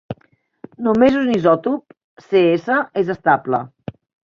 Només un isòtop, Cs, és estable.